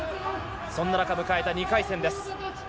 そんな中迎えた２回戦です。